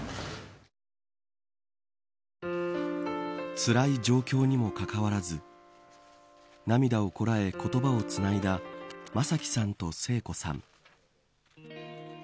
つらい状況にもかかわらず涙をこらえ言葉をつないだ正輝さんと聖子さん。